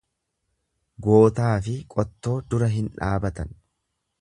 Gootaafi qottoo dura hin dhaabatan.